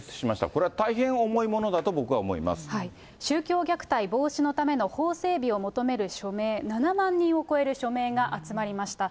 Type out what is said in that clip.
これは大変重いものだと僕は思い宗教虐待防止のための法整備を求める署名７万人を超える署名が集まりました。